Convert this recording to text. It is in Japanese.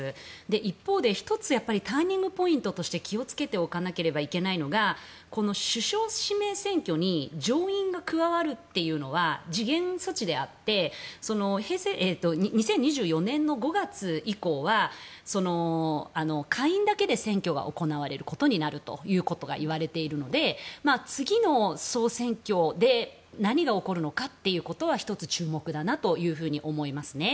一方で１つターニングポイントとして気をつけておかないといけないのが首相指名選挙に上院が加わるというのは時限措置であって２０２４年の５月以降は下院だけで選挙は行われることになるといわれているので次の総選挙で何が起こるのかっていうことは１つ注目だなと思います。